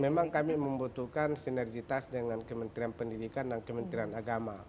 memang kami membutuhkan sinergitas dengan kementerian pendidikan dan kementerian agama